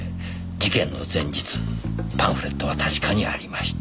事件の前日パンフレットは確かにありました。